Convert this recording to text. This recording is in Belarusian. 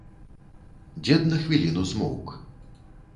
Дзед на хвіліну змоўк.